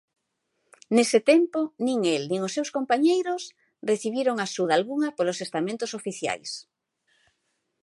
Nese tempo, nin el nin os seus compañeiros recibiron axuda algunha polos estamentos oficiais.